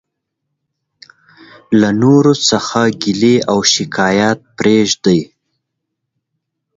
له نورو څخه ګيلي او او شکايت پريږدٸ.